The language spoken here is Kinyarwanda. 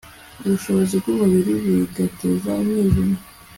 ubushobozi bwumubiri rigateza umwijima